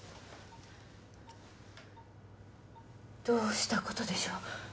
どうしたことでしょう